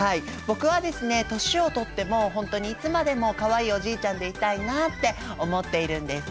僕はですね年を取っても本当にいつまでもかわいいおじいちゃんでいたいなって思っているんです。